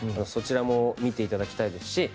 そちらも見ていただきたいですし